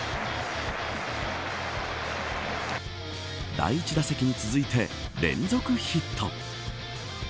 第１打席に続いて連続ヒット。